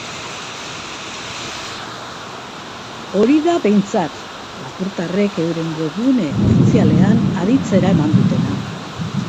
Hori da behintzat, lapurtarrek euren webgune ofizialean aditzera eman dutena.